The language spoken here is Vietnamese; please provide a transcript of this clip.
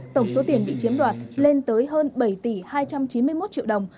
tổng số tiền bị chiếm đoạt lên tới hơn bảy tỷ hai trăm chín mươi một triệu đồng